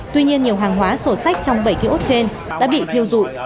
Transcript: tuy nhiên nhiều hàng hóa sổ sách trong bảy ký ốt trên đã bị thiêu rụi